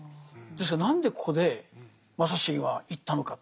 ですから何でここで正成は行ったのか。